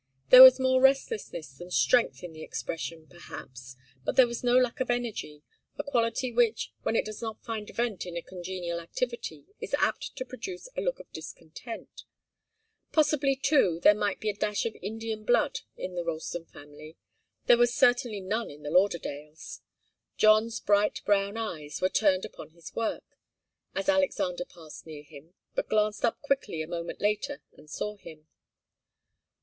There was more restlessness than strength in the expression, perhaps, but there was no lack of energy, a quality which, when it does not find vent in a congenial activity, is apt to produce a look of discontent. Possibly, too, there might be a dash of Indian blood in the Ralston family. There was certainly none in the Lauderdales. John's bright brown eyes were turned upon his work, as Alexander passed near him, but glanced up quickly a moment later and saw him.